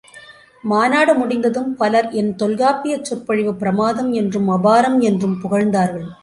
மாநாடு முடிந்ததும் பலர் என் தொல்காப்பியச் சொற்பொழிவு பிரமாதம் என்றும் அபாரம் என்றும் புகழ்ந்தார்கள்.